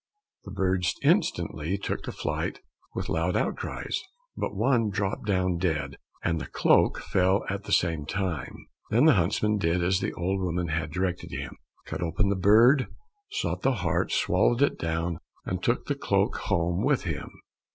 The birds instantly took to flight with loud outcries, but one dropped down dead, and the cloak fell at the same time. Then the huntsman did as the old woman had directed him, cut open the bird, sought the heart, swallowed it down, and took the cloak home with him.